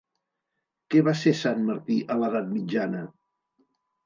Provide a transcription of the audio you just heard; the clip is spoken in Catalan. Què va ser Sant Martí a l'edat mitjana?